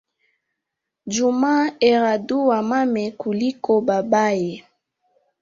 Juma eradua mame kuliko babaye